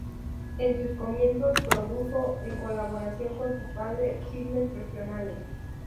En sus comienzos produjo, en colaboración con su padre, filmes regionales.